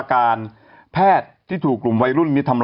ฮ่าฮ่าฮ่า